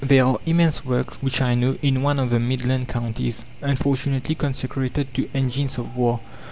There are immense works, which I know, in one of the Midland counties, unfortunately consecrated to engines of war.